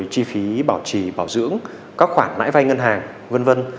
chi phí bảo trì bảo dưỡng các khoản nãi vai ngân hàng v v